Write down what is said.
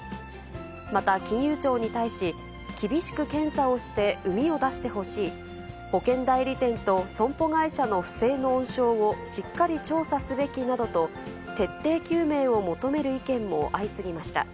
また、金融庁に対し、厳しく検査をしてうみを出してほしい、保険代理店と損保会社の不正の温床をしっかり調査すべきなどと、徹底究明を求める意見も相次ぎました。